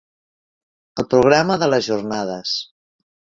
El programa de les Jornades.